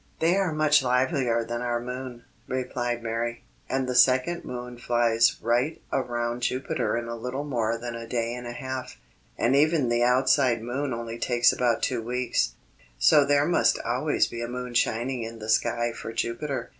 "They are much livelier than our moon," replied Mary; "and the second moon flies right around Jupiter in a little more than a day and a half, and even the outside moon only takes about two weeks; so there must always be a moon shining in the sky for Jupiter.